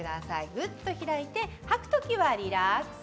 ぐっと開いて吐く時はリラックス。